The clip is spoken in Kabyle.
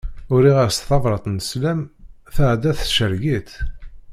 Uriɣ-as tabrat n sslam, tɛedda tcerreg-itt.